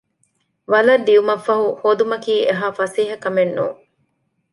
ވަލަށް ދިޔުމަށްފަހު ހޯދުމަކީ އެހާ ފަސޭހަކަމެއްނޫން